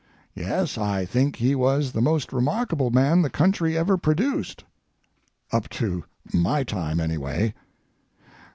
Yes, I think he was the most remarkable man the country ever produced up to my time, anyway.